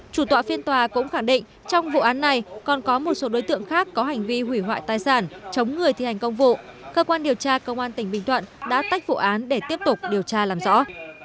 chủ tọa phiên tòa cũng khẳng định trong vụ án này còn có một số đối tượng khác có hành vi hủy hoại tài sản chống người thi hành công vụ cơ quan điều tra công an tỉnh bình thuận đã tách vụ án để tiếp tục điều tra làm rõ